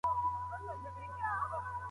هغه په ډېرې زړورتیا دښمن په شا کړ.